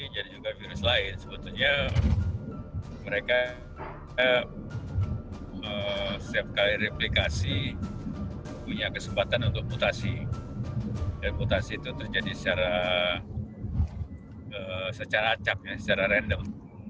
jadi secara acak secara random